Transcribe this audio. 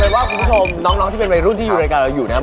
เป็นว่าคุณผู้ชมน้องที่เป็นวัยรุ่นที่อยู่รายการเราอยู่นะครับ